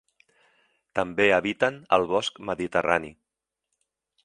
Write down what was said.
També habiten al bosc mediterrani.